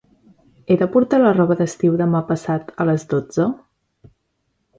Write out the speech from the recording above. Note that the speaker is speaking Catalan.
He de portar la roba d'estiu demà passat a les dotze?